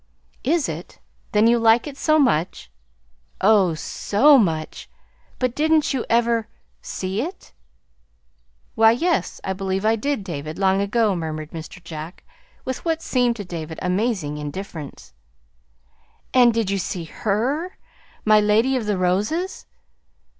"Is it? Then, you like it so much?" "Oh, so much! But didn't you ever see it?" "Why, yes, I believe I did, David, long ago," murmured Mr. Jack with what seemed to David amazing indifference. "And did you see HER my Lady of the Roses?"